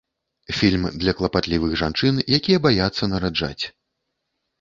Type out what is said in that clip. Фільм для клапатлівых жанчын, якія баяцца нараджаць.